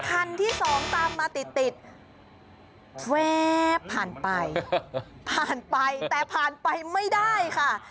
คันที่สองตามมาติดติดแว๊บผ่านไปผ่านไปแต่ผ่านไปไม่ได้ค่ะ